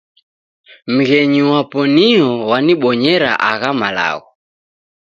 Mghenyi wapo nio wanibonyera agha malagho